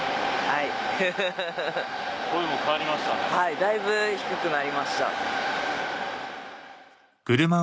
はいだいぶ低くなりました。